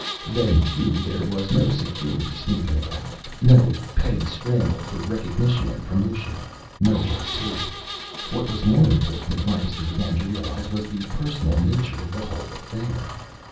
Then, too, there was no Security snooping about, no petty scramble for recognition and promotion, no red tape. What was more important, Lancaster began to realize, was the personal nature of the whole affair.